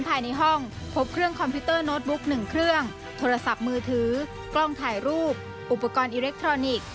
ภายในห้องพักแห่ง๑กลางเมืองเชียงใหม่